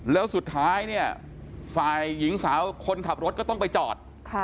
แล้วสุดท้ายเนี่ยฝ่ายหญิงสาวคนขับรถก็ต้องไปจอด